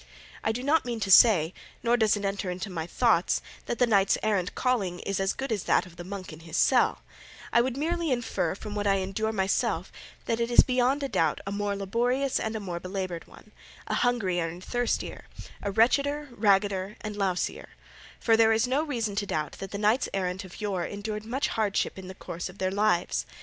I do not mean to say, nor does it enter into my thoughts, that the knight errant's calling is as good as that of the monk in his cell; I would merely infer from what I endure myself that it is beyond a doubt a more laborious and a more belaboured one, a hungrier and thirstier, a wretcheder, raggeder, and lousier; for there is no reason to doubt that the knights errant of yore endured much hardship in the course of their lives.